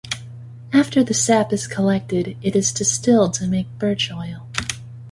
After the sap is collected, it is distilled to make birch oil.